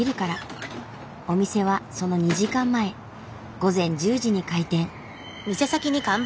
お店はその２時間前午前１０時に開店。